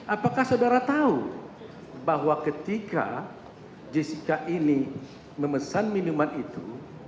apakah saudara tahu bahwa ketika jessica ini memesan minuman itu